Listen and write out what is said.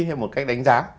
hay một cách đánh giá